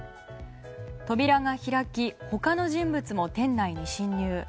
扉が開き他の人物も店内に侵入。